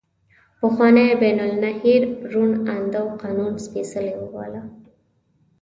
پخواني بین النهرین روڼ اندو قانون سپیڅلی وباله.